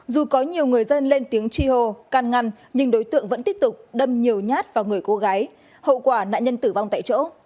dù có nhiều người dân lên tiếng chi hô can ngăn nhưng đối tượng vẫn tiếp tục đâm nhiều nhát vào người cô gái hậu quả nạn nhân tử vong tại chỗ